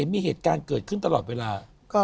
มีเหตุการณ์เกิดขึ้นตลอดเวลา